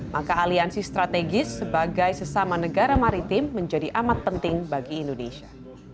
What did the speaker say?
maka aliansi strategis sebagai sesama negara maritim menjadi amat penting bagi indonesia